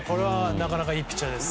なかなかいいピッチャーです。